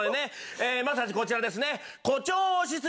まずこちらですね。